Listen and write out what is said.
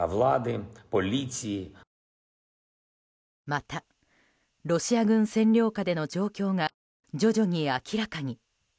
また、ロシア軍占領下での状況が徐々に明らかに。